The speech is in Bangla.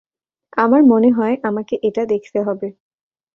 আমার মনে হয় আমাকে এটা দেখতে হবে।